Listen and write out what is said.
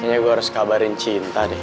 kayaknya gue harus kabarin cinta deh